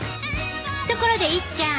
ところでいっちゃん。